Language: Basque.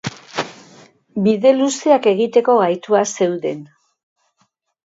Bide luzeak egiteko gaituak zeuden.